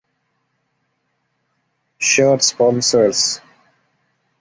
Shirt sponsor(s)